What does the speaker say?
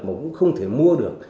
mà cũng không thể mua được